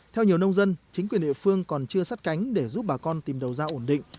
theo nhiều nông dân chính quyền địa phương còn chưa sát cánh để giúp bà con tìm đầu ra ổn định